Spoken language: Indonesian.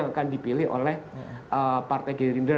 akan dipilih oleh partai gerinder